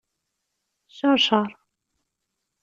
Ceṛceṛ.